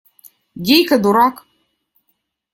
Гейка, дурак!